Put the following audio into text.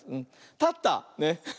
たった。ね。